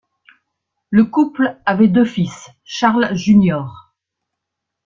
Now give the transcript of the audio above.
Le couple avait deux fils, Charles Jr.